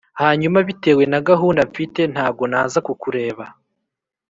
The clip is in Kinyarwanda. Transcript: hanyuma bitewe na gahuda mfite ntago naza kukureba